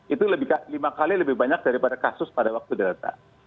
itu lima kali lebih banyak daripada kasus pada waktu delta